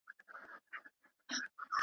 نن د سولي آوازې دي د جنګ بندي نغارې دي.